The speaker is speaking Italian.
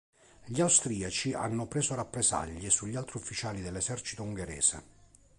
Gli austriaci hanno preso rappresaglie sugli altri ufficiali dell'esercito ungherese.